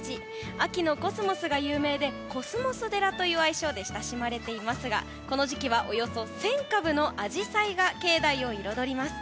秋のコスモスが有名でコスモス寺という愛称で親しまれていますがこの時期は、およそ１０００株のアジサイが境内を彩ります。